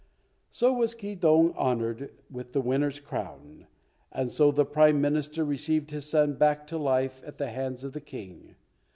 So was Keydong honoured with the winner's crown, and so the Prime Minister received his son back to life at the hands of the King.